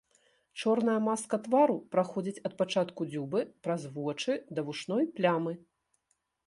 Чорная маска твару праходзіць ад пачатку дзюбы праз вочы да вушной плямы.